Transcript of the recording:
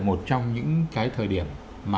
một trong những cái thời điểm mà